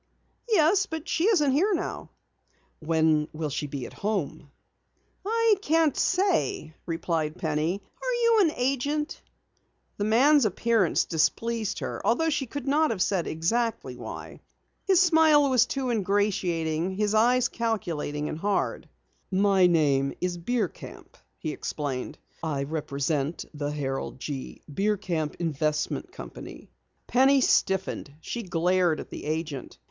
"Yes, but she isn't here now." "When will she be home?" "I can't say," replied Penny. "Are you an agent?" The man's appearance displeased her although she could not have said exactly why. His smile was too ingratiating, his eyes calculating and hard. "My name is Bierkamp," he explained. "I represent the Harold G. Bierkamp Investment Company." Penny stiffened. She glared at the agent.